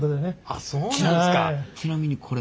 あっそうなんすか！